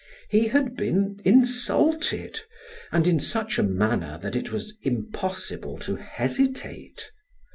He had been insulted and in such a manner that it was impossible to hesitate.